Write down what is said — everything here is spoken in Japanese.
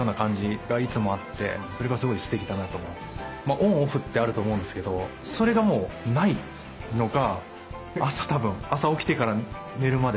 オンオフってあると思うんですけどそれがもうないのか。